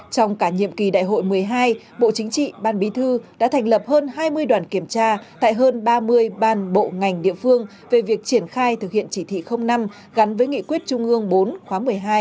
trong cả nhiệm kỳ đại hội một mươi hai bộ chính trị ban bí thư đã thành lập hơn hai mươi đoàn kiểm tra tại hơn ba mươi ban bộ ngành địa phương về việc triển khai thực hiện chỉ thị năm gắn với nghị quyết trung ương bốn khóa một mươi hai